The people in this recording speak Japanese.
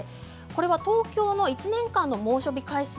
これは東京の１年間の猛暑日回数